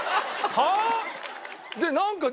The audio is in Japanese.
「はあ？」。